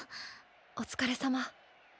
お疲れさま。